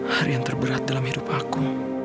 hari yang terberat dalam hidup aku